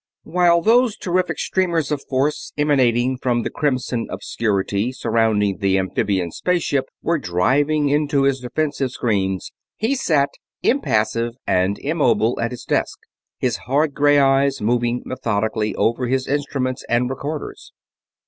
While those terrific streamers of force emanating from the crimson obscurity surrounding the amphibians' space ship were driving into his defensive screens he sat impassive and immobile at his desk, his hard gray eyes moving methodically over his instruments and recorders.